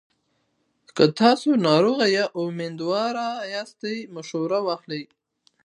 که تاسو ناروغ یا میندوار یاست، مشوره واخلئ.